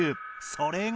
それが。